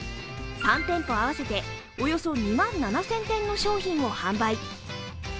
３店舗合わせておよそ２万７０００点の商品を販売。